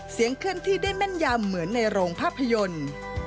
เสียงเครื่องที่ได้แม่นยามเหมือนในโรงภาพยนตร์